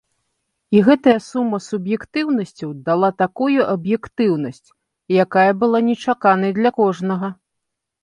І гэтая сума суб'ектыўнасцяў дала такую аб'ектыўнасць, якая была нечаканай для кожнага.